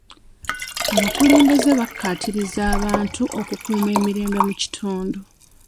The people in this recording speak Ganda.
Abakulembeze bakkaatiriza abantu okukuuma emirembe mu kitundu.